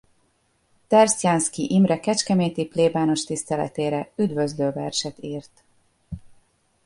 Tersztyánszky Imre kecskeméti plébános tiszteletére üdvözlő verset írt.